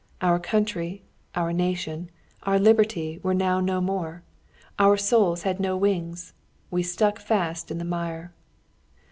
Our country, our nation, our liberty were now no more. Our souls had no wings. We stuck fast in the mire.